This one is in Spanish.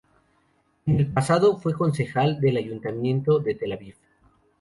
En el pasado fue concejal del ayuntamiento de Tel Aviv.